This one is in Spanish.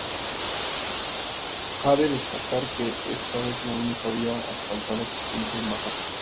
Cabe destacar que esta es la única vía asfaltada existente en Barrancas.